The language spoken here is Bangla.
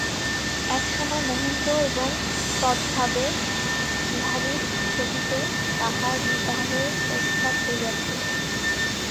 এক সময়ে মহেন্দ্র এবং তদভাবে বিহারীর সহিত তাহার বিবাহের প্রস্তাব হইয়াছিল।